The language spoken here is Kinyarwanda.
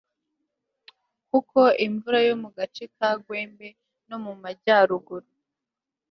kuko imvura yo mu gace ka gwembe no mu majyaruguru